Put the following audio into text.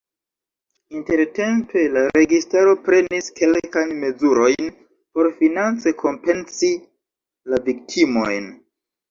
Intertempe la registaro prenis kelkajn mezurojn por finance kompensi la viktimojn.